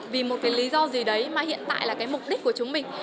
vì một cái lý do gì đấy mà hiện tại là cái mục đích của chúng mình